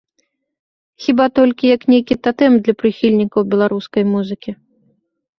Хіба толькі, як нейкі татэм для прыхільнікаў беларускай музыкі.